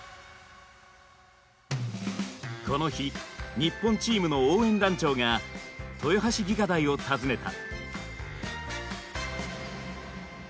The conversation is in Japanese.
この日日本チームの応援団長が豊橋技科大を訪ねた。